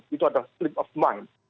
itu adalah slip of mind